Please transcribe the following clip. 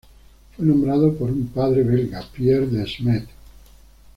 Fue nombrado por un padre Belga Pierre De Smet.